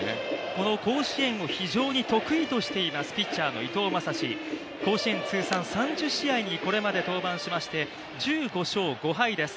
この甲子園を非常に得意としています、ピッチャーの伊藤将司甲子園通算３０試合にこれまで登板しまして１５勝５敗です